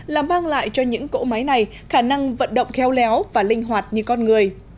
là mang lại cho những cỗ máy này khả năng vận động khéo léo và linh hoạt như con người